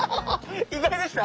意外でした？